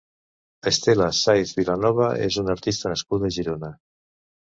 Estela Saez Vilanova és una artista nascuda a Girona.